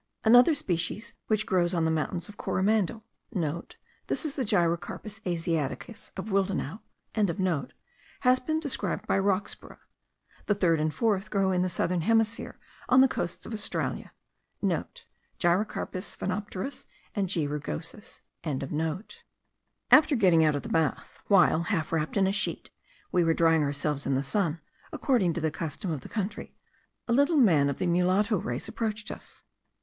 Another species, which grows on the mountains of Coromandel,* (* This is the Gyrocarpus asiaticus of Willdenouw.) has been described by Roxburgh; the third and fourth* grow in the southern hemisphere, on the coasts of Australia. (* Gyrocarpus sphenopterus, and G. rugosus.) After getting out of the bath, while, half wrapped in a sheet, we were drying ourselves in the sun, according to the custom of the country, a little man of the mulatto race approached us.